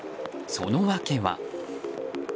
その訳は。